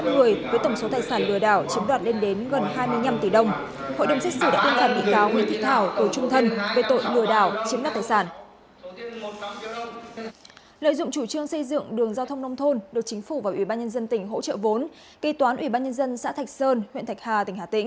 kỳ toán ủy ban nhân dân xã thạch sơn huyện thạch hà tỉnh hà tĩnh